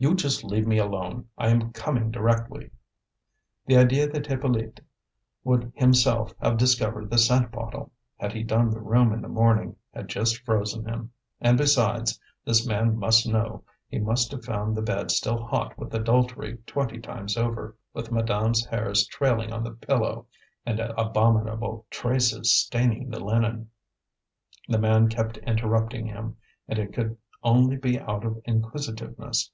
"You just leave me alone! I am coming directly." The idea that Hippolyte would himself have discovered the scent bottle, had he done the room in the morning, had just frozen him. And besides, this man must know; he must have found the bed still hot with adultery twenty times over, with madame's hairs trailing on the pillow, and abominable traces staining the linen. The man kept interrupting him, and it could only be out of inquisitiveness.